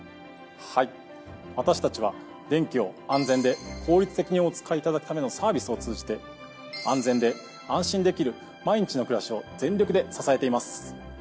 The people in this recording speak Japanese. はい私たちは電気を安全で効率的にお使いいただくためのサービスを通じて。を全力で支えています。